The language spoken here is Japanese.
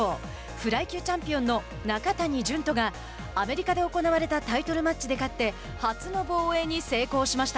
フライ球チャンピオンの中谷潤人がアメリカで行われたタイトルマッチで勝って初の防衛に成功しました。